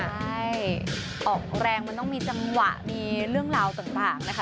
ใช่ออกแรงมันต้องมีจังหวะมีเรื่องราวต่างนะคะ